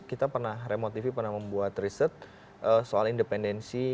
kita pernah remo tv pernah membuat riset soal independensi